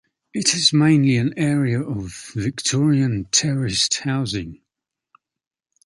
It is mainly an area of Victorian terraced housing.